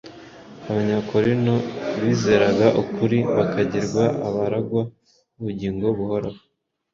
Abanyakorinto bizeraga ukuri bakagirwa abaragwa b’ubugingo buhoraho.